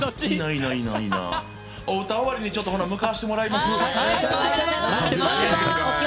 お歌終わりに向かわせてもらいます。